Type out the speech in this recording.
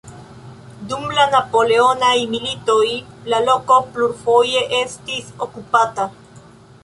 Dum la Napoleonaj Militoj la loko plurfoje estis okupata.